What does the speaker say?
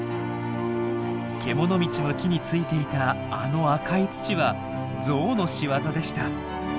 けもの道の木についていたあの赤い土はゾウのしわざでした！